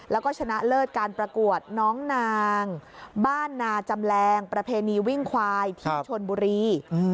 แล้วก็ชนะเลิศการประกวดน้องนางบ้านนาจำแรงประเพณีวิ่งควายที่ชนบุรี